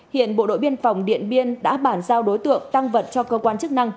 hiện bộ đội biên phòng điện biên đã bản giao đối tượng tăng vật cho cơ quan chức năng